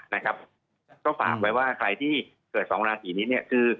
นะครับก็ฝากไว้ว่าใครที่เกิดสองราศีนี้เนี่ยคือ